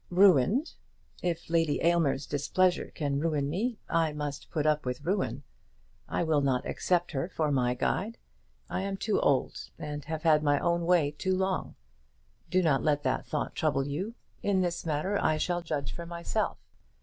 "Ruined! If Lady Aylmer's displeasure can ruin me, I must put up with ruin. I will not accept her for my guide. I am too old, and have had my own way too long. Do not let that thought trouble you. In this matter I shall judge for myself.